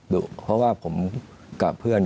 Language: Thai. ดุเพราะว่าผมกับเพื่อน